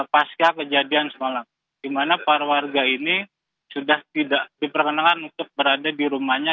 pasca kejadian semalam di mana para warga ini sudah tidak diperkenankan untuk berada di rumahnya